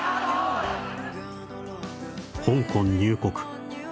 「香港入国！！